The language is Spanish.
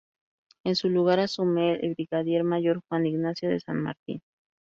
En su lugar asume el Brigadier Mayor Juan Ignacio San Martín.